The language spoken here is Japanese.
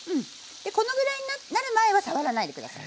でこのぐらいになる前は触らないで下さい。